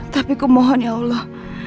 tapi ku mohon ya allah